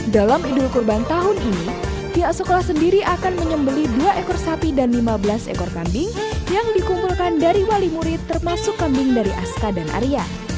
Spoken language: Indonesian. dalam idul kurban tahun ini pihak sekolah sendiri akan menyembeli dua ekor sapi dan lima belas ekor kambing yang dikumpulkan dari wali murid termasuk kambing dari aska dan arya